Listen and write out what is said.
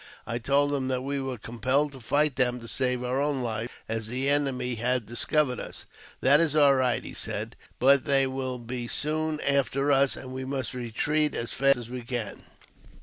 I told him that we were compelled to fight them to save ourj own lives, as the enemy had discovered us. " That is air right," he said, "but they will be soon after us, and we must retreat as fast as we can."